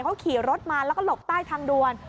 เขาขี่รถมาแล้วก็หลบใต้ทางด่วน